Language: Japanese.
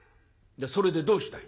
「それでどうしたい？」。